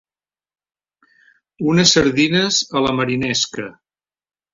Unes sardines a la marinesca.